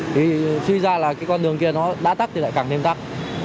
thì suy ra là cái con đường kia nó đã tắt thì lại càng thêm tắt